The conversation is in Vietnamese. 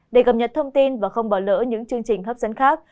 để cập nhật thông tin và không bỏ lỡ những chương trình hấp dẫn khác